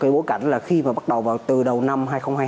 bối cảnh là khi bắt đầu vào từ đầu năm hai nghìn hai mươi hai